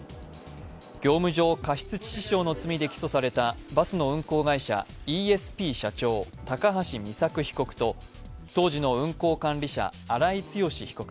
業務上過失致死傷などの罪で起訴されたバスの運行会社、イーエスピー社長高橋美作被告と当時の運行管理者・荒井強被告。